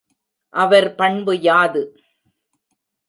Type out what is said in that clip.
அவர் பண்பு யாது?